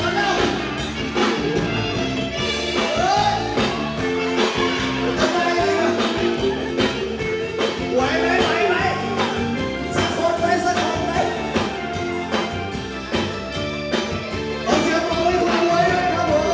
อาจจะไปทุกแล้วทำว่าเธอช่วยใกล้ด้วยโคตร